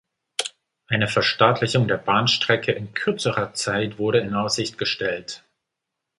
Eine Verstaatlichung der Bahnstrecke in kürzerer Zeit wurde in Aussicht gestellt.